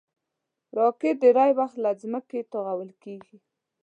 راکټ ډېری وخت له ځمکې توغول کېږي